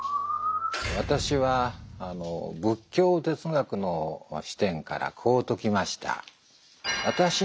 私は仏教哲学の視点からこう解きました。